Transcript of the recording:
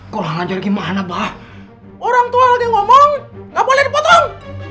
kurang ajar gimana bah orangtua lagi ngomong nggak boleh dipotong